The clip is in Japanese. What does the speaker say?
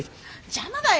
邪魔だよ。